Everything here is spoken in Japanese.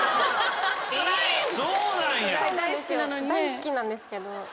大好きなんですけど。